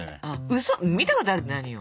うそ見たことあるって何よ。